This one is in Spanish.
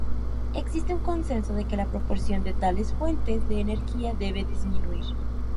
Existe un consenso de que la proporción de tales fuentes de energía debe disminuir.